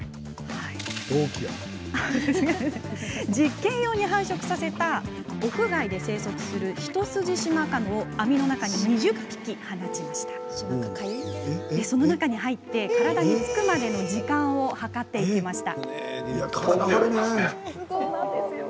実験用に繁殖させた屋外で生息するヒトスジシマカを網の中に２０匹放ちその中に入って体につくまでの時間を計ってみました。